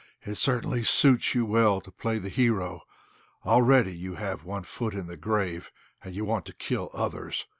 It certainly suits you well to play the hero. Already you have one foot in the grave, and you want to kill others.